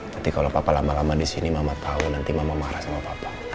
nanti kalau papa lama lama disini mama tau nanti mama marah sama papa